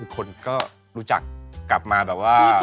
คนก็รู้จักกลับมาแบบว่า